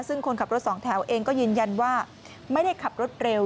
ซึ่งคนขับรถสองแถวเองก็ยืนยันว่าไม่ได้ขับรถเร็ว